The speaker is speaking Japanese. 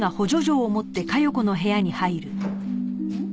ん？